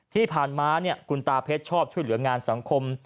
ที่ผ่านมาคุณตาเพชรชอบช่วยเหลืองานสังคม